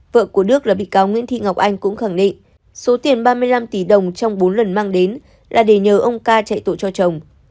vợ của đức là bị cáo nguyễn thị ngọc anh cũng khẳng định số tiền ba mươi năm tỷ đồng trong bốn lần mang đến là để nhờ ông ca chạy tội cho chồng